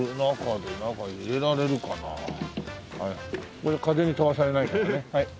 これで風に飛ばされないからね。